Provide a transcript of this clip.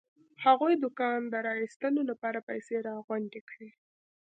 هغوی د کان د را ايستلو لپاره پيسې راغونډې کړې.